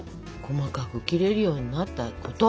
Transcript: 細かく切れるようになったこと。